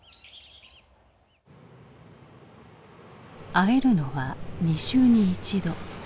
会えるのは２週に１度。